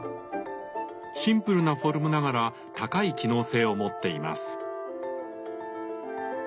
シンプルなフォルムながら高い機能性を持っています。